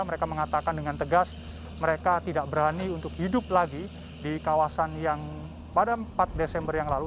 mereka mengatakan dengan tegas mereka tidak berani untuk hidup lagi di kawasan yang pada empat desember yang lalu